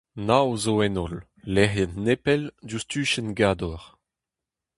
Nav zo en holl, lec'hiet nepell diouzh Tuchenn Gador.